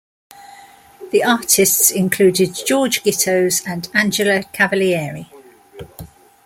The artists included George Gittoes and Angela Cavalieri.